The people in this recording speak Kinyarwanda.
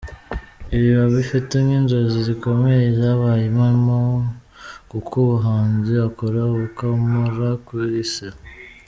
Ibi, abifata nk’inzozi zikomeye zabaye impamo kuko ubuhanzi akora abukomora kuri se.